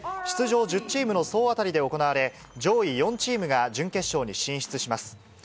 出場１０チームの総当たりで行われ、上位４チームが準決勝に進出します。